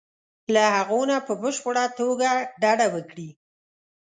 له هغو نه په بشپړه توګه ډډه وکړي.